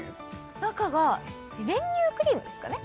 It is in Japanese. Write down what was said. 中が練乳クリームですかね